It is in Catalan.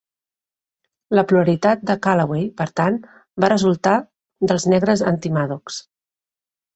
La pluralitat de Callaway, per tant, va resultar dels negres anti-Maddox.